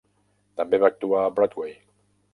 També va actuar a Broadway.